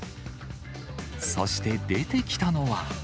そして、出てきたのは。